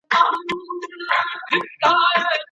د پخوانیو زمانو لیکل سوي اثار زموږ سرمایه ده.